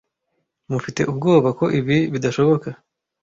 Mufite ubwoba ko ibi bidashoboka.